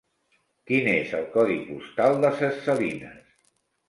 Quin és el codi postal de Ses Salines?